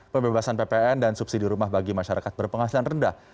pembebasan ppn dan subsidi rumah bagi masyarakat berpenghasilan rendah